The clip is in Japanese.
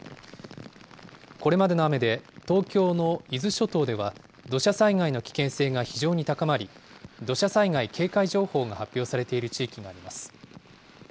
これまでの雨で東京の伊豆諸島では土砂災害の危険性が非常に高まり、土砂災害警戒情報が発表されている地域もあります。